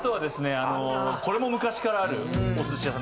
あのこれも昔からあるお寿司屋さん